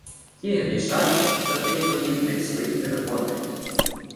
Ті грішать, котрі обітниць своїх не виконують.